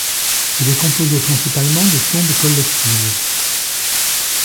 Il est composé principalement de tombes collectives.